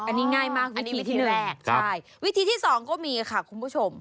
อันนี้ง่ายมากวิธีที่๑ค่ะอันนี้วิธีที่๑ใช่วิธีที่๒ก็มีค่ะคุณผู้ชม